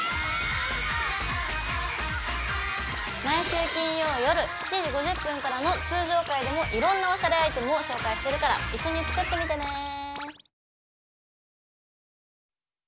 毎週金曜夜７時５０分からの通常回でもいろんなおしゃれアイテムを紹介してるから一緒に作ってみてね。